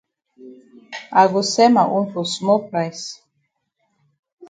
I go sell ma own for small price.